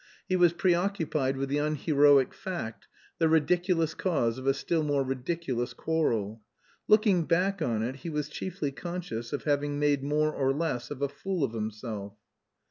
He was preoccupied with the unheroic fact, the ridiculous cause of a still more ridiculous quarrel. Looking back on it, he was chiefly conscious of having made more or less of a fool of himself.